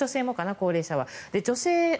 高齢者は。